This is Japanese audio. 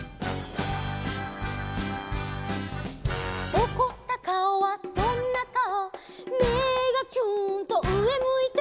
「おこったかおはどんなかお」「目がキューンと上向いて」